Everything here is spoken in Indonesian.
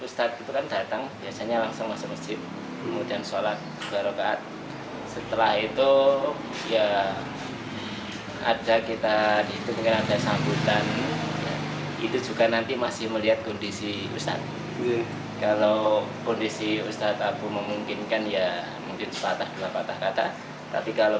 sejumlah persiapan menyambut kedatangan salah satu pengasuh pompes al mu'min ngeruki ini telah dilakukan